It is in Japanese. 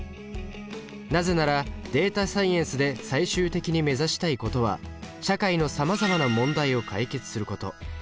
なぜならデータサイエンスで最終的に目指したいことは社会のさまざまな問題を解決すること。